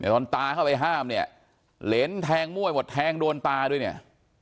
ตอนตาเข้าไปห้ามเนี่ยเหรนแทงมั่วยหมดแทงโดนตาด้วยเนี่ย